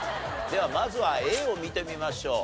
ではまずはＡを見てみましょう。